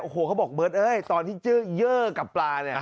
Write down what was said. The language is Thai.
โอ้โหเขาบอกเบิร์ดตอนที่เจอเยอะกับปลา